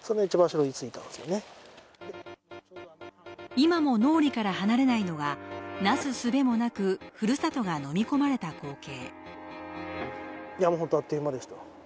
今も脳裏から離れないのはなすすべもなく、ふるさとがのみ込まれた光景。